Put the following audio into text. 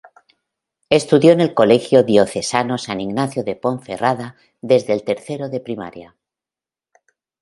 Estudió en el Colegio Diocesano San Ignacio de Ponferrada desde tercero de primaria.